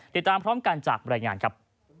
ติดตามพร้อมกันจากบรรยายงานครับ